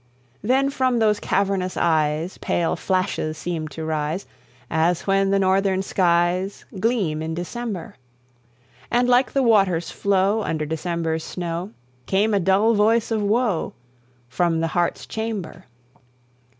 Then from those cavernous eyes Pale flashes seemed to rise, As when the Northern skies Gleam in December; And, like the water's flow Under December's snow, Came a dull voice of woe From the heart's chamber.